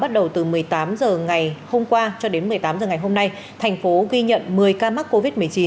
bắt đầu từ một mươi tám h ngày hôm qua cho đến một mươi tám h ngày hôm nay thành phố ghi nhận một mươi ca mắc covid một mươi chín